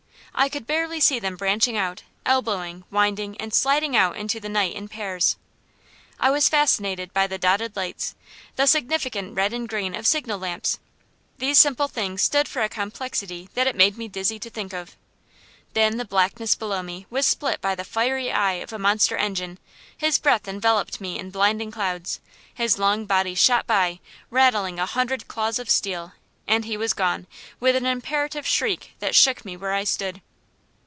I could barely see them branching out, elbowing, winding, and sliding out into the night in pairs. I was fascinated by the dotted lights, the significant red and green of signal lamps. These simple things stood for a complexity that it made me dizzy to think of. Then the blackness below me was split by the fiery eye of a monster engine, his breath enveloped me in blinding clouds, his long body shot by, rattling a hundred claws of steel; and he was gone, with an imperative shriek that shook me where I stood.